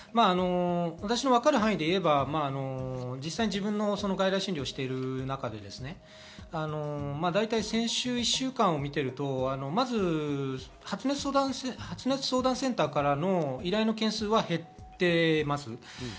分かる範囲で言えば実際、自分も外来診療している中で先週１週間を見ていると発熱相談センターからの依頼の件数は減っています。